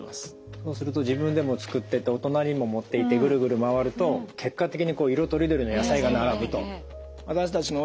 そうすると自分でも作ってお隣にも持っていってグルグル回ると結果的に色とりどりの野菜が並ぶと。